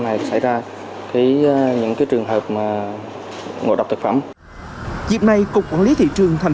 đó chúng ta thấy những cái trường hợp mà ngộ độc thực phẩm dịp này cục quản lý thị trường thành